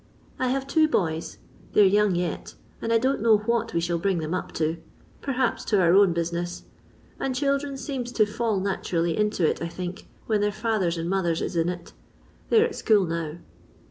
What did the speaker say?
I have two boys; they're young yet, and I don't know what we shall bring them up to ; perhaps to our own business ; and children seems to fall naturally into it, I think, when their fathers and mothers is in it. They 're at school now.